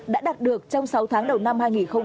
đã đạt được trong sáu tháng đầu năm hai nghìn một mươi chín